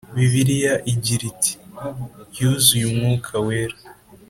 ; Bibiliya igira iti “yuzuye umwuka wera,